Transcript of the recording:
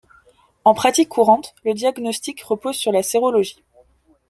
En pratique courante le diagnostic repose sur la sérologie.